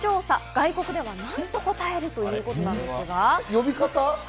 外国ではなんと答えるということ呼び方？